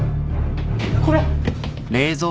これ。